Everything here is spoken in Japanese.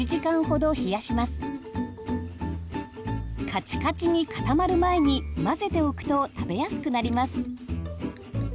カチカチに固まる前に混ぜておくと食べやすくなります。